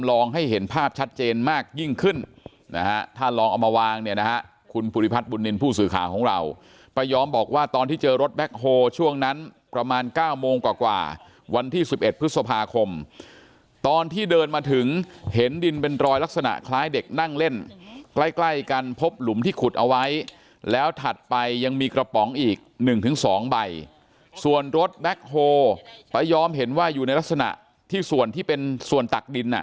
ลองให้เห็นภาพชัดเจนมากยิ่งขึ้นนะฮะถ้าลองเอามาวางเนี่ยนะฮะคุณภุริพัฒน์บุญนินตร์ผู้สื่อข่าวของเราป้าย้อมบอกว่าตอนที่เจอรถแบล็กโฮช่วงนั้นประมาณ๙โมงกว่าวันที่๑๑พฤษภาคมตอนที่เดินมาถึงเห็นดินเป็นรอยลักษณะคล้ายเด็กนั่งเล่นใกล้กันพบหลุมที่ขุดเอาไว้แล้วถั